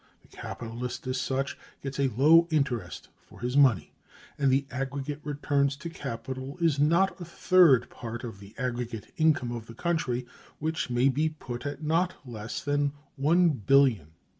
The capitalist, as such, gets a low interest for his money, and the aggregate returns to capital is not a third part of the aggregate income of the country, which may be put at not less than £1,200,000,000."